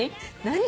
何？